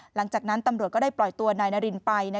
หลังจากนั้นตำรวจก็ได้ปล่อยตัวนายนารินไป